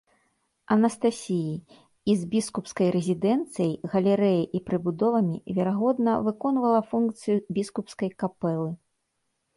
Анастасіі і з біскупскай рэзідэнцыяй галерэяй і прыбудовамі, верагодна, выконвала функцыю біскупскай капэлы.